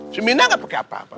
semina gak pake apa apa